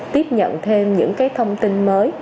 tiếp nhận thêm những thông tin mới